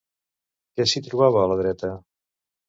Què s'hi trobava a la dreta?